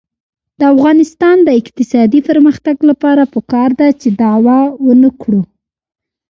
د افغانستان د اقتصادي پرمختګ لپاره پکار ده چې دعوه ونکړو.